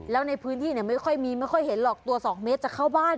แล้วในพื้นที่ไม่ค่อยมีไม่ค่อยเห็นหรอกตัว๒เมตรจะเข้าบ้าน